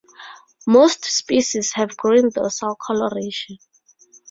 Most species have green dorsal coloration.